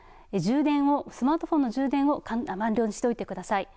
スマートフォンの充電を満タンにしておいてください。